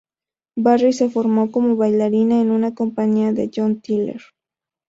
Barry se formó como bailarina en una compañía de John Tiller.